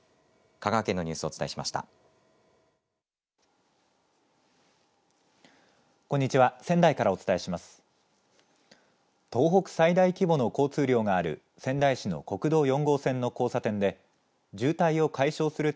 香川県のニュースをお伝えしました。